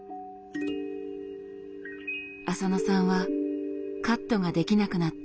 浅野さんはカットができなくなった